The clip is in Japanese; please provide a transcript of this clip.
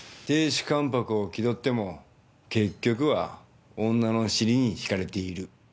亭主関白を気取っても結局は女の尻に敷かれている。